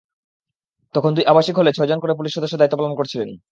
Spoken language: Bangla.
তখন দুই আবাসিক হলে ছয়জন করে পুলিশ সদস্য দায়িত্ব পালন করছিলেন।